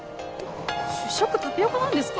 主食タピオカなんですか？